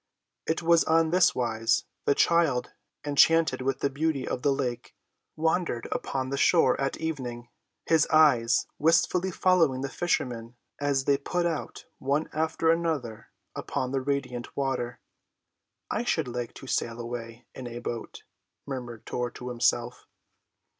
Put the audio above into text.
It was on this wise: the child, enchanted with the beauty of the lake, wandered upon the shore at evening, his eyes wistfully following the fishermen as they put out one after another upon the radiant water. "I should like to sail away in a boat," murmured Tor to himself.